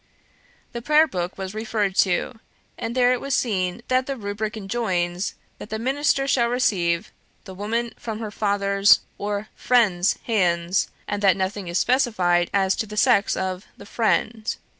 The Prayer book was referred to; and there it was seen that the Rubric enjoins that the Minister shall receive "the woman from her father's or FRIEND'S hands," and that nothing is specified as to the sex of the "friend."